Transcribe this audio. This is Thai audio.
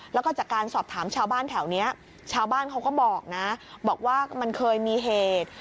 แล้วก็จากการสอบถามชาวบ้านแถวนี้ชาวบ้านเขาก็บอกนะบอกว่ามันเคยมีเหตุ